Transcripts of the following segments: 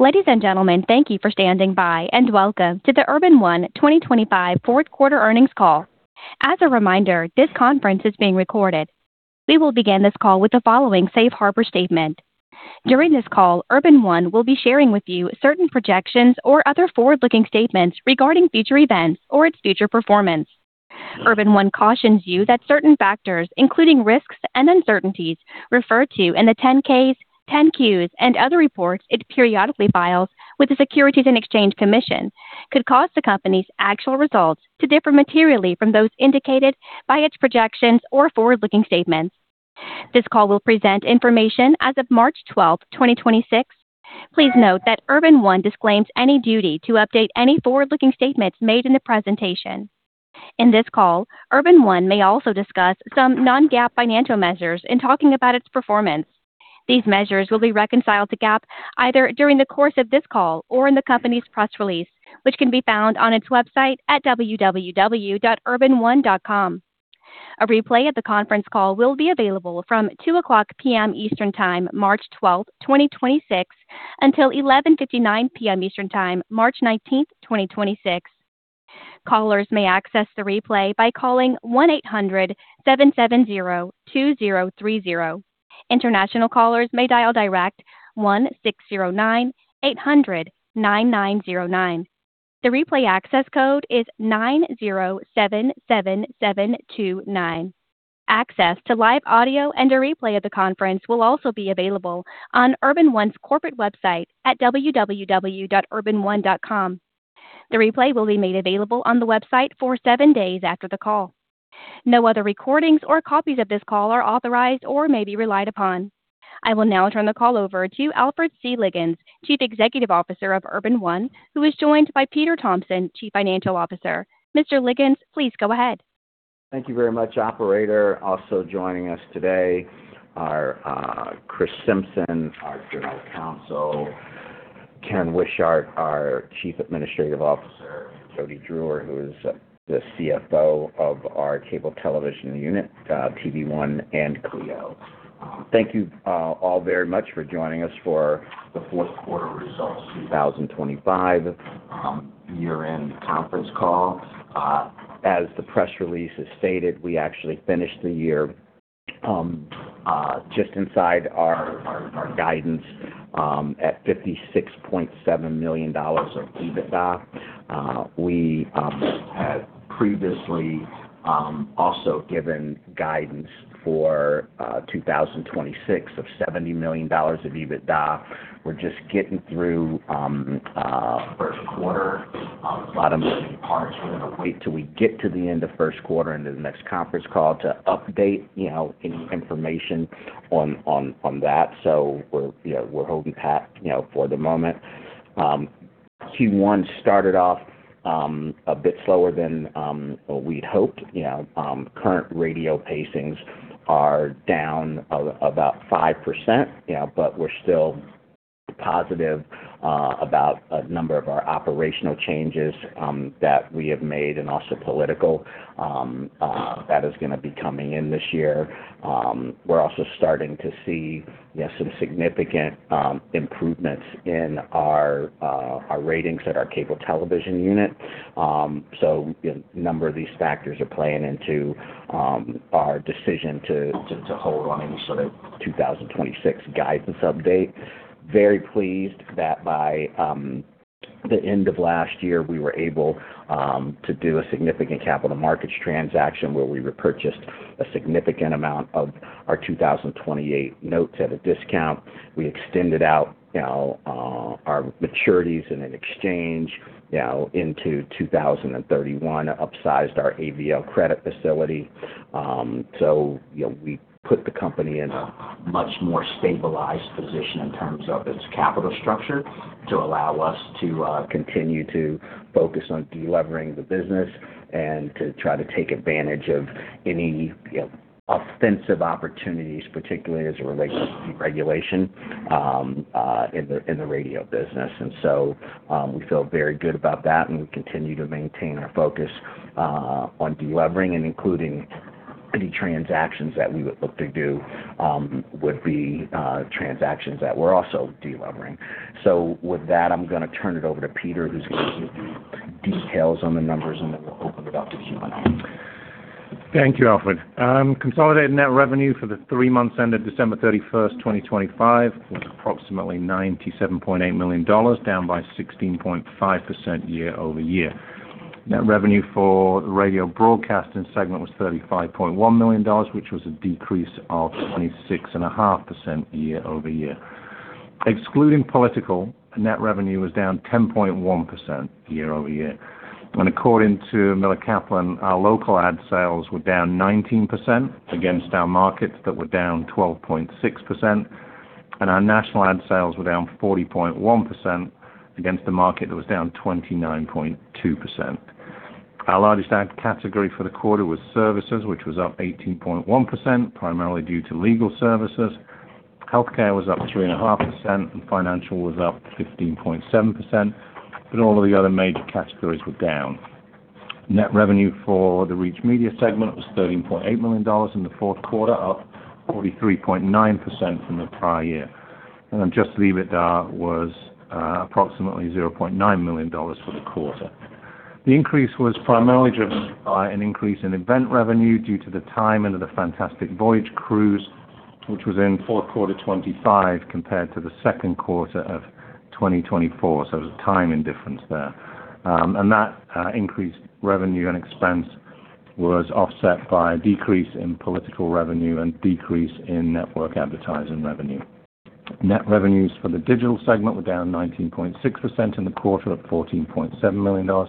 Ladies and gentlemen, thank you for standing by, and welcome to the Urban One 2025 fourth quarter earnings call. As a reminder, this conference is being recorded. We will begin this call with the following safe harbor statement. During this call, Urban One will be sharing with you certain projections or other forward-looking statements regarding future events or its future performance. Urban One cautions you that certain factors, including risks and uncertainties referred to in the 10-Ks, 10-Qs and other reports it periodically files with the Securities and Exchange Commission, could cause the company's actual results to differ materially from those indicated by its projections or forward-looking statements. This call will present information as of March 12th, 2026. Please note that Urban One disclaims any duty to update any forward-looking statements made in the presentation. In this call, Urban One may also discuss some non-GAAP financial measures in talking about its performance. These measures will be reconciled to GAAP either during the course of this call or in the company's press release, which can be found on its website at www.urbanone.com. A replay of the conference call will be available from 2:00 P.M. Eastern Time, March 12th, 2026, until 11:59 P.M. Eastern Time, March 19th, 2026. Callers may access the replay by calling 1-800-770-2030. International callers may dial direct 1-609-800-9909. The replay access code is 9077729. Access to live audio and a replay of the conference will also be available on Urban One's corporate website at www.urbanone.com. The replay will be made available on the website for seven days after the call. No other recordings or copies of this call are authorized or may be relied upon. I will now turn the call over to Alfred C. Liggins, Chief Executive Officer of Urban One, who is joined by Peter Thompson, Chief Financial Officer. Mr. Liggins, please go ahead. Thank you very much, operator. Also joining us today are Kris Simpson, our General Counsel, Karen Wishart, our Chief Administrative Officer, Jody Drewer, who is the CFO of our cable television unit, TV One and CLEO. Thank you all very much for joining us for the fourth quarter results 2025 year-end conference call. As the press release has stated, we actually finished the year just inside our guidance at $56.7 million of EBITDA. We had previously also given guidance for 2026 of $70 million of EBITDA. We're just getting through first quarter. A lot of moving parts. We're gonna wait till we get to the end of first quarter into the next conference call to update you know any information on that. We're, you know, holding pat, you know, for the moment. Q1 started off a bit slower than we'd hoped. You know, current radio pacings are down about 5%, you know, but we're still positive about a number of our operational changes that we have made and also political that is gonna be coming in this year. We're also starting to see, you know, some significant improvements in our ratings at our cable television unit. A number of these factors are playing into our decision to hold on any sort of 2026 guidance update. Very pleased that by the end of last year, we were able to do a significant capital markets transaction where we repurchased a significant amount of our 2028 notes at a discount. We extended out, you know, our maturities in an exchange, you know, into 2031, upsized our ABL credit facility. You know, we put the company in a much more stabilized position in terms of its capital structure to allow us to continue to focus on delevering the business and to try to take advantage of any, you know, offensive opportunities, particularly as it relates to deregulation in the radio business. We feel very good about that, and we continue to maintain our focus on delevering and including any transactions that we would look to do that we're also delevering. With that, I'm gonna turn it over to Peter, who's gonna give you details on the numbers, and then we'll open it up to Q&A. Thank you, Alfred. Consolidated net revenue for the three months ended December 31st, 2025, was approximately $97.8 million, down 16.5% year-over-year. Net revenue for the radio broadcasting segment was $35.1 million, which was a decrease of 26.5% year-over-year. Excluding political, net revenue was down 10.1% year-over-year. According to Miller Kaplan, our local ad sales were down 19% against our markets that were down 12.6%, and our national ad sales were down 40.1% against the market that was down 29.2%. Our largest ad category for the quarter was services, which was up 18.1%, primarily due to legal services. Healthcare was up 3.5%, and financial was up 15.7%, but all of the other major categories were down. Net revenue for the Reach Media segment was $13.8 million in the fourth quarter, up 43.9% from the prior year. Adjusted EBITDA was approximately $0.9 million for the quarter. The increase was primarily driven by an increase in event revenue due to the timing of the Fantastic Voyage Cruise, which was in fourth quarter 2025 compared to the second quarter of 2024. There's a timing difference there. That increased revenue and expense was offset by a decrease in political revenue and decrease in network advertising revenue. Net revenues for the digital segment were down 19.6% in the quarter of $14.7 million.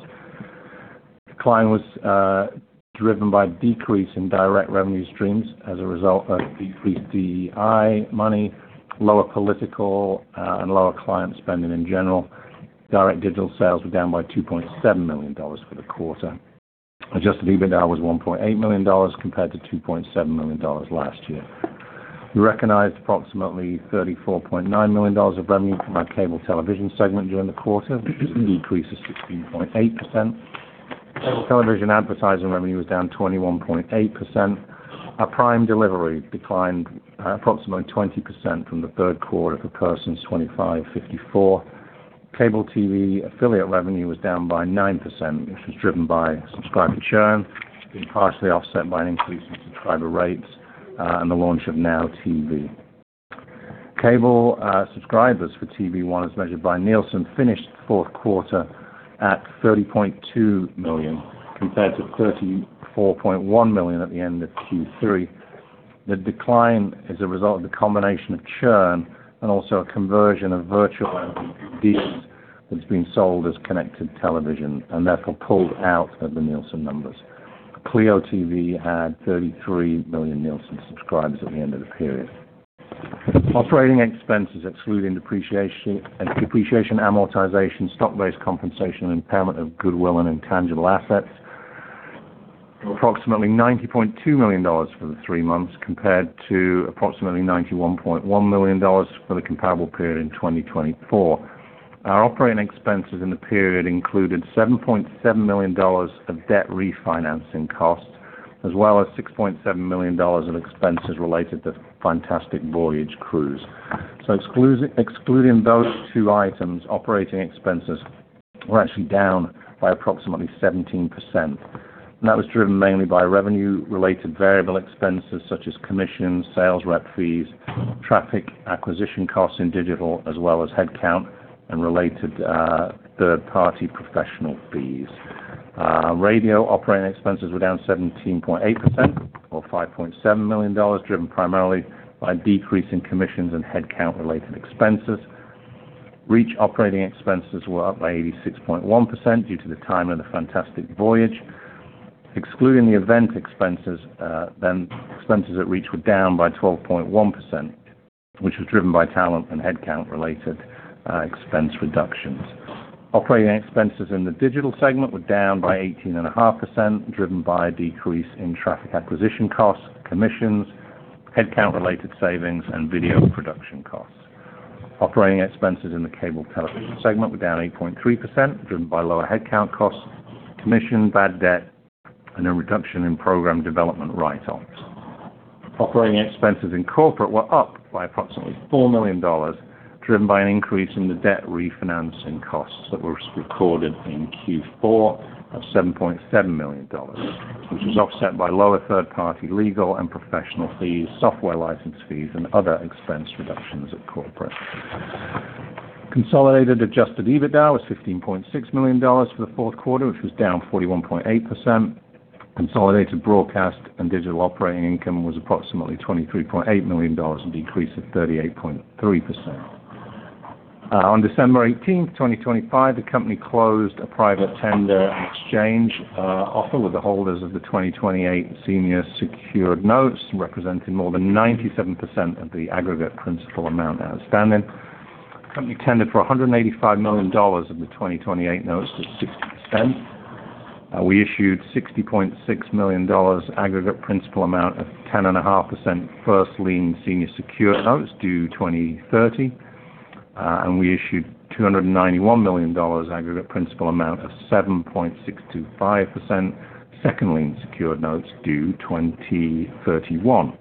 Decline was driven by decrease in direct revenue streams as a result of decreased DEI money, lower political and lower client spending in general. Direct digital sales were down by $2.7 million for the quarter. Adjusted EBITDA was $1.8 million compared to $2.7 million last year. We recognized approximately $34.9 million of revenue from our cable television segment during the quarter, which is a decrease of 16.8%. Cable television advertising revenue was down 21.8%. Our prime delivery declined approximately 20% from the third quarter for persons 25-54. Cable TV affiliate revenue was down by 9%, which was driven by subscriber churn, being partially offset by an increase in subscriber rates, and the launch of NOW TV. Cable subscribers for TV One, as measured by Nielsen, finished the fourth quarter at 30.2 million, compared to 34.1 million at the end of Q3. The decline is a result of the combination of churn and also a conversion of virtual deals that's being sold as connected television and therefore pulled out of the Nielsen numbers. CLEO TV had 33 million Nielsen subscribers at the end of the period. Operating expenses excluding depreciation, amortization, stock-based compensation, and impairment of goodwill and intangible assets, were approximately $90.2 million for the three months compared to approximately $91.1 million for the comparable period in 2024. Our operating expenses in the period included $70.7 million of debt refinancing costs, as well as $6.7 million of expenses related to Fantastic Voyage Cruise. Excluding those two items, operating expenses were actually down by approximately 17%. That was driven mainly by revenue-related variable expenses such as commissions, sales rep fees, traffic acquisition costs in digital, as well as headcount and related, third-party professional fees. Radio operating expenses were down 17.8%, or $5.7 million, driven primarily by decreasing commissions and headcount-related expenses. Reach operating expenses were up by 86.1% due to the timing of the Fantastic Voyage. Excluding the event expenses, then expenses at Reach were down by 12.1%, which was driven by talent and headcount-related, expense reductions. Operating expenses in the digital segment were down by 18.5%, driven by a decrease in traffic acquisition costs, commissions, headcount-related savings, and video production costs. Operating expenses in the cable television segment were down 8.3%, driven by lower headcount costs, commission, bad debt, and a reduction in program development write-offs. Operating expenses in corporate were up by approximately $4 million, driven by an increase in the debt refinancing costs that were recorded in Q4 of $7.7 million, which was offset by lower third-party legal and professional fees, software license fees, and other expense reductions at corporate. Consolidated adjusted EBITDA was $15.6 million for the fourth quarter, which was down 41.8%. Consolidated broadcast and digital operating income was approximately $23.8 million, a decrease of 38.3%. On December 18th, 2025, the company closed a private tender exchange offer with the holders of the 2028 senior secured notes, representing more than 97% of the aggregate principal amount outstanding. The company tendered for $185 million of the 2028 notes at 60%. We issued $60.6 million aggregate principal amount of 10.5% first lien senior secured notes due 2030. We issued $291 million aggregate principal amount of 7.625% second lien secured notes due 2031.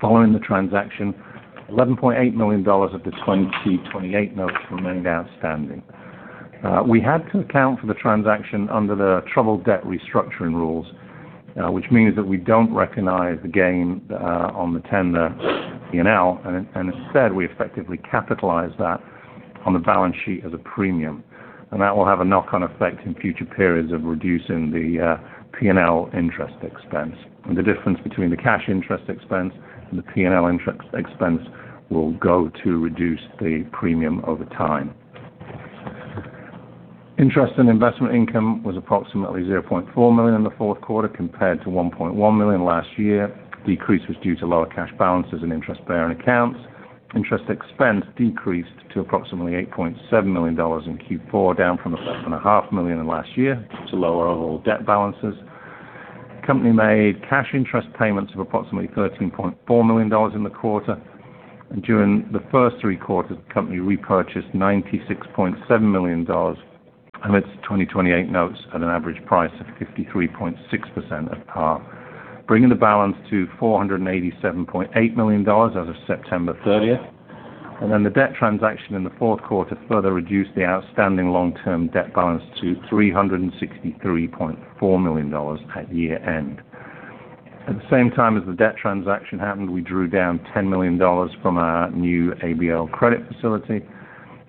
Following the transaction, $11.8 million of the 2028 notes remained outstanding. We had to account for the transaction under the troubled debt restructuring rules, which means that we don't recognize the gain on the tender P&L, and instead, we effectively capitalize that on the balance sheet as a premium. That will have a knock-on effect in future periods of reducing the P&L interest expense. The difference between the cash interest expense and the P&L interest expense will go to reduce the premium over time. Interest and investment income was approximately $0.4 million in the fourth quarter compared to $1.1 million last year. Decrease was due to lower cash balances in interest-bearing accounts. Interest expense decreased to approximately $8.7 million in Q4, down from $11.5 million in last year due to lower overall debt balances. The company made cash interest payments of approximately $13.4 million in the quarter, and during the first three quarters, the company repurchased $96.7 million of its 2028 notes at an average price of 53.6% at par, bringing the balance to $487.8 million as of September 30th. The debt transaction in the fourth quarter further reduced the outstanding long-term debt balance to $363.4 million at year-end. At the same time as the debt transaction happened, we drew down $10 million from our new ABL credit facility.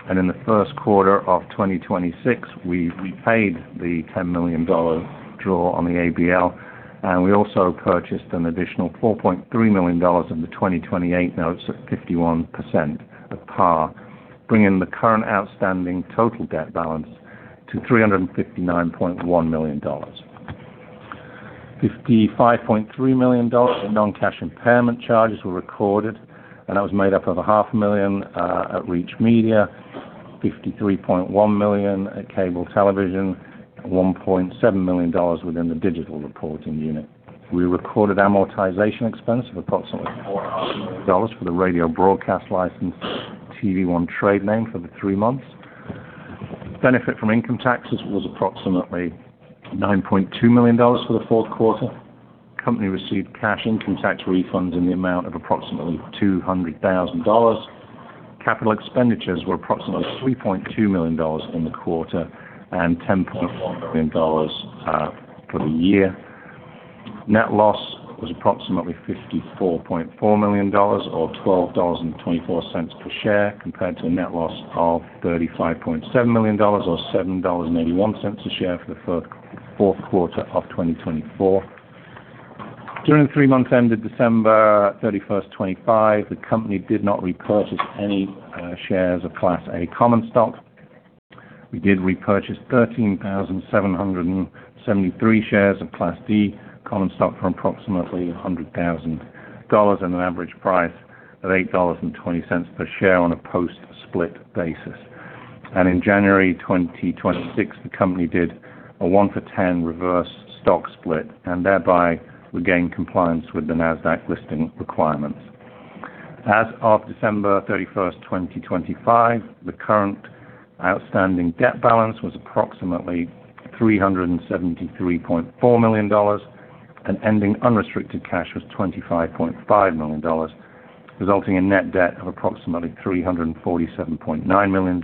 In the first quarter of 2026, we paid the $10 million draw on the ABL, and we also purchased an additional $4.3 million in the 2028 notes at 51% at par, bringing the current outstanding total debt balance to $359.1 million. $55.3 million in non-cash impairment charges were recorded, and that was made up of half a million at Reach Media, $53.1 million at Cable Television, and $1.7 million within the digital reporting unit. We recorded amortization expense of approximately $400,000 for the radio broadcast license TV One trade name for the three months. Benefit from income taxes was approximately $9.2 million for the fourth quarter. Company received cash income tax refunds in the amount of approximately $200,000. Capital expenditures were approximately $3.2 million in the quarter and $10.1 million for the year. Net loss was approximately $54.4 million or $12.24 per share, compared to a net loss of $35.7 million or $7.81 a share for the fourth quarter of 2024. During the three months ended December 31st, 2025, the company did not repurchase any shares of Class A common stock. We did repurchase 13,777 shares of Class D common stock for approximately $100,000 at an average price of $8.20 per share on a post-split basis. In January 2026, the company did a 1-for-10 reverse stock split and thereby regained compliance with the Nasdaq listing requirements. As of December 31st, 2025, the current outstanding debt balance was approximately $373.4 million, and ending unrestricted cash was $25.5 million, resulting in net debt of approximately $347.9 million,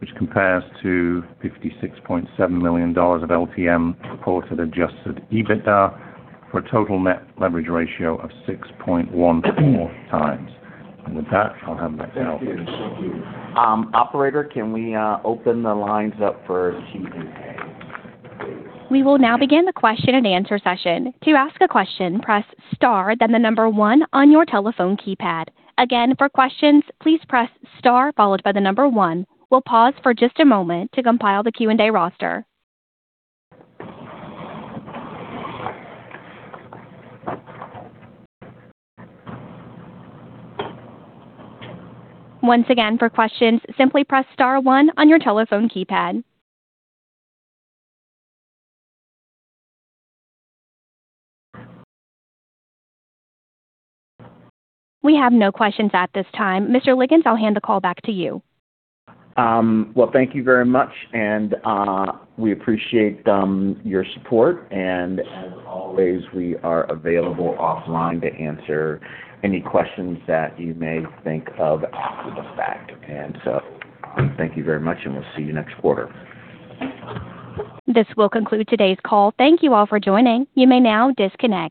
which compares to $56.7 million of LTM reported adjusted EBITDA, for a total net leverage ratio of 6.1x. With that, I'll hand back to Alfred. Thank you. Operator, can we open the lines up for Q&A please? We will now begin the question-and-answer session. To ask a question, press star then the number one on your telephone keypad. Again, for questions, please press star followed by the number one. We'll pause for just a moment to compile the Q&A roster. Once again, for questions, simply press star one on your telephone keypad. We have no questions at this time. Mr. Liggins, I'll hand the call back to you. Well, thank you very much and we appreciate your support. As always, we are available offline to answer any questions that you may think of after the fact. Thank you very much, and we'll see you next quarter. This will conclude today's call. Thank you all for joining. You may now disconnect.